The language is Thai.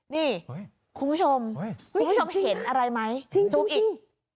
นี่คุณผู้ชมคุณผู้ชมเห็นอะไรไหมจริงจริงจริง